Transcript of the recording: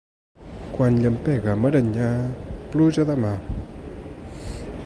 Quan llampega a Marenyà, pluja demà.